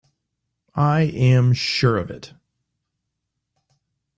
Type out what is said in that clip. I am sure of it.